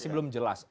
oke pak mas